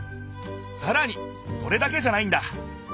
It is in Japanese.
さらにそれだけじゃないんだ！